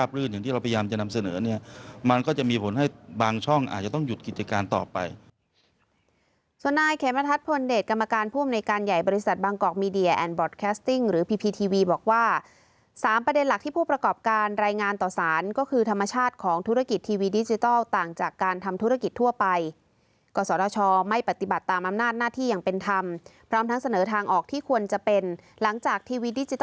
บางช่องอาจจะต้องหยุดกิจการต่อไป